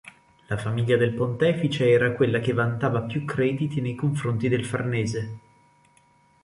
La famiglia del pontefice era quella che vantava più crediti nei confronti dei Farnese.